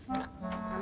ra gak mau